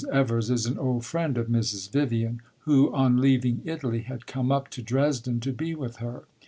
Evers is an old friend of Mrs. Vivian, who, on leaving Italy, had come up to Dresden to be with her.